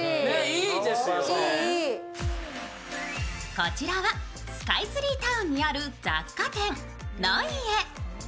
こちらは、スカイツリータウンにある雑貨店ノイエ。